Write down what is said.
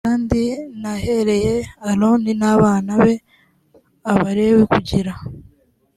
kandi nahereye aroni n abana be abalewi kugira